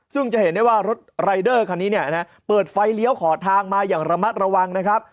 ซึ่งจะเห็นได้ว่ารถรายเดอร์คันนี้เนี่ยนะเปิดไฟเลี้ยวขอทางมาอย่างระมัดระวังนะครับ